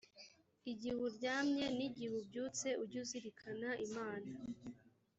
igihe uryamye n’igihe ubyutse ujye uzirikana imana.